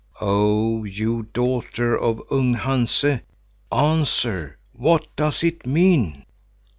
Oh, you daughter of Ung Hanse, answer, what does it mean?